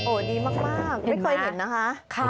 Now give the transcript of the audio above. ดีมากไม่เคยเห็นนะคะ